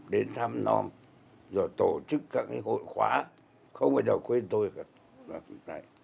đến thăm non rồi tổ chức các cái hội khóa không bao giờ quên tôi cả